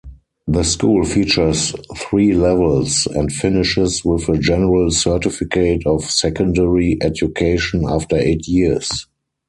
The school features three levels and finishes with a general certificate of secondary education after eight years.